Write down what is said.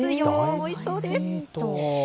おいしそうです。